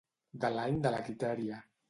De l'any de la Quitèria.